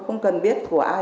không cần biết của ai